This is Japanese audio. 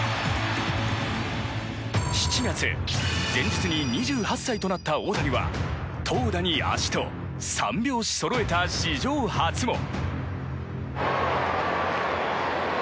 ７月、前日に２８歳となった大谷は投打に足と３拍子そろえた史上初も。